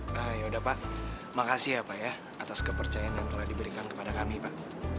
baik yaudah pak makasih ya pak ya atas kepercayaan yang telah diberikan kepada kami pak